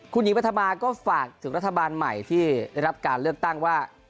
คุณหญิงปฐมาก็ฝากถึงรัฐบาลใหม่ที่ได้รับการเลือกตั้งว่า